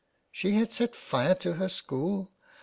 She had set fire to her school